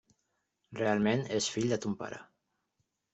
Realment ets fill de ton pare.